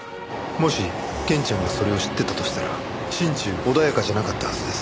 もしケンちゃんがそれを知っていたとしたら心中穏やかじゃなかったはずです。